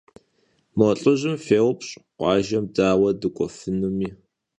Mo lh'ıjım fêupş' khuajjem daue dık'uefınumi.